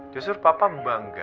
justru papa membawa rena ke rumah